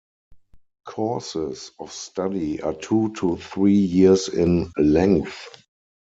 Courses of study are two to three years in length.